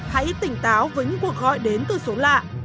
hãy tỉnh táo với những cuộc gọi đến từ số lạ